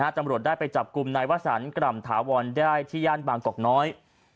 ตำรวจได้ไปจับกลุ่มนายวสันกร่ำถาวรได้ที่ย่านบางกอกน้อย